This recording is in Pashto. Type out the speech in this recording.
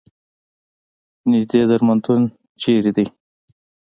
نیږدې درملتون چېرته ده؟